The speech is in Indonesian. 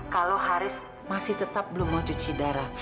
kalau harif masih tetap belum mau cuci darah